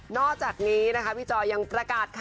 อกจากนี้นะคะพี่จอยยังประกาศค่ะ